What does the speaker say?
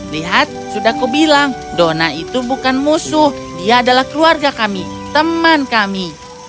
lihat sudah kubilang dona itu bukan musuh dia adalah keluarga kami teman kami